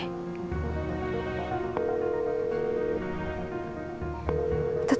gak ada apa apa